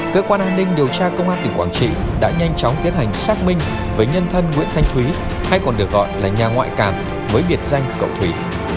cơ quan an ninh điều tra công an tỉnh quảng trị đã nhanh chóng tiến hành xác minh với nhân thân nguyễn thanh thúy hay còn được gọi là nhà ngoại cảm với biệt danh cậu thủy